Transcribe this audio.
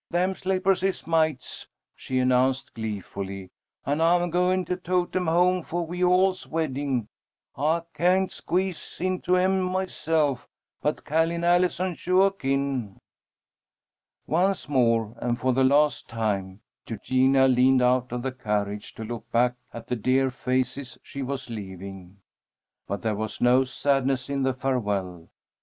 "Them slippahs is mates!" she announced, gleefully, "and I'm goin' to tote 'em home for we all's wedding. I kain't squeeze into 'em myself, but Ca'line Allison suah kin." Once more, and for the last time, Eugenia leaned out of the carriage to look back at the dear faces she was leaving. But there was no sadness in the farewell.